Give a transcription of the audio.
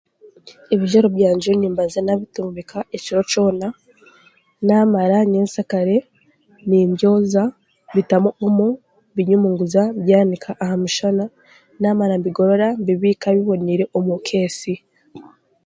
ebijwaro byangye nimbanza naabitumbika ekiro kyona, naamara nyensakare nimbyoza, mbitamu omo, mbinyiminguza, mbyanika aha mushana, naamara, mbigorora mbibiika biboniire omu keesi.